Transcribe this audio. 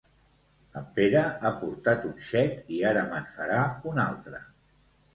En Pere ha portat un xec i ara me'n farà un altre